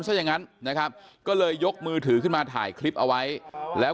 ซะอย่างนั้นนะครับก็เลยยกมือถือขึ้นมาถ่ายคลิปเอาไว้แล้ว